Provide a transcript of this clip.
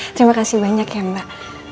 terima kasih banyak ya mbak